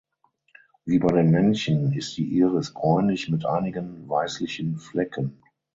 Wie bei den Männchen ist die Iris bräunlich mit einigen weißlichen Flecken.